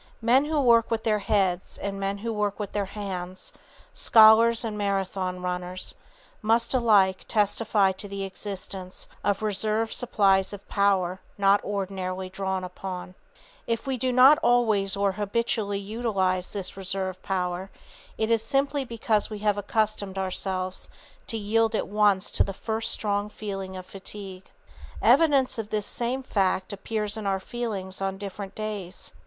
Men who work with their heads and men who work with their hands, scholars and Marathon runners, must alike testify to the existence of reserve supplies of power not ordinarily drawn upon. [Sidenote: "Blue" Mondays] If we do not always or habitually utilize this reserve power, it is simply because we have accustomed ourselves to yield at once to the first strong feeling of fatigue. Evidence of this same fact appears in our feelings on different days.